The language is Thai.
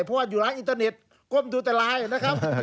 เพราะว่าอยู่ร้านอินเทอร์เน็ตก้มดูแต่ไลน์นะครับ